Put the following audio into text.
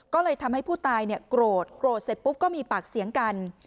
ก็เลยทำให้ผู้ตายโกรธโกรธเสร็จปุ๊บก็มีปากเสียงกัน